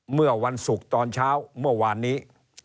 เมื่อวันศุกร์ตอนเช้าเมื่อวานนี้